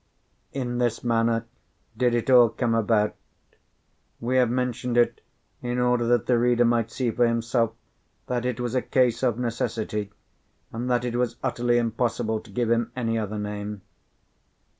In this manner did it all come about. We have mentioned it in order that the reader might see for himself that it was a case of necessity, and that it was utterly impossible to give him any other name.